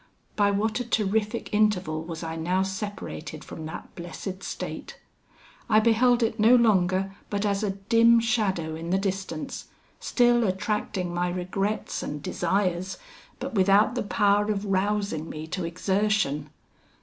By what a terrific interval was I now separated from that blessed state! I beheld it no longer but as a dim shadow in the distance, still attracting my regrets and desires, but without the power of rousing me to exertion.